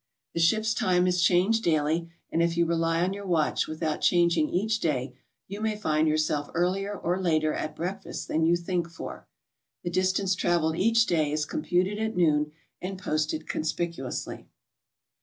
The ship's time is changed daily, and if you rely on your watch without changing each day, you may find yourself earlier or later at breakfast than you think for. The distance traveled each day is computed at noon, and posted conspicuously.